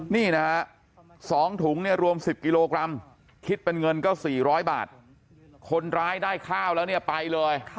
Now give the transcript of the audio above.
นี่นะฮะ๒ถุงเนี่ยรวม๑๐กิโลกรัมคิดเป็นเงินก็๔๐๐บาทคนร้ายได้ข้าวแล้วเนี่ยไปเลย